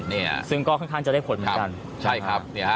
เนี่ยซึ่งก็ค่อนข้างจะได้ผลเหมือนกันใช่ครับเนี่ยฮะ